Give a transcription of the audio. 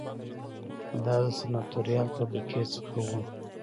دا د سناتوریال طبقې څخه و